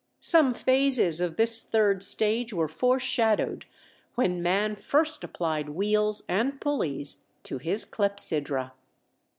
Some phases of this third stage were foreshadowed when man first applied wheels and pulleys to his clepsydra.